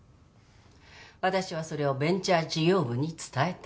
私はそれをベンチャー事業部に伝えた。